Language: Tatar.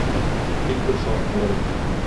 Тик бер шарт белән.